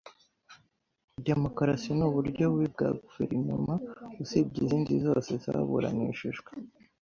Demokarasi ni uburyo bubi bwa guverinoma, usibye izindi zose zaburanishijwe.